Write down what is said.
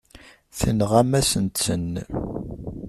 Tenɣamt-asent-ten.